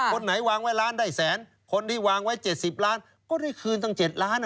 คนไหนวางไว้ล้านได้แสนคนที่วางไว้๗๐ล้านก็ได้คืนตั้ง๗ล้าน